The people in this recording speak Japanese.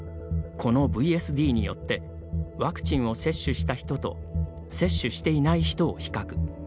このＶＳＤによってワクチンを接種した人と接種していない人を比較。